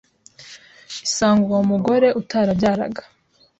isanga uwo mugore utarabyaraga